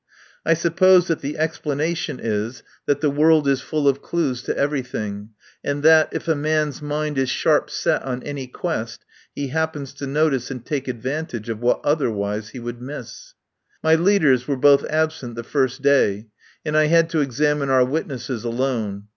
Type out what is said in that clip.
I suppose that the explanation is that the world 94 THE TRAIL OF THE SUPER BUTLER is full of clues to everything, and that, if a man's mind is sharp set on any quest, he hap pens *tb notice and take advantage of what otherwise he would miss. « My leaders were both absent the first day, and I had to examine our witnesses alone.